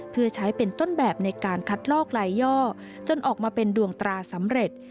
เพื่อใช้เป็นต้นแบบในการคัดลอกลายย่อจนออกมาเป็นดวงตราสำเร็จ